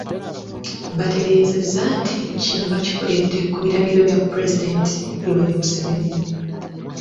Bategeezezza nti kino bakikoledde ku biragiro bya Pulezidenti Yoweri Museveni.